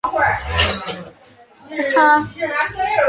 他也是斯洛维尼亚国家男子篮球队的一员。